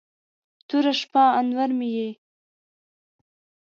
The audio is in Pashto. توره شپه، انور مې یې